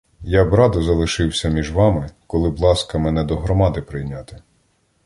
Я б радо залишився між вами, коли б ласка мене до громади прийняти.